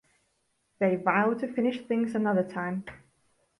They vow to finish things another time.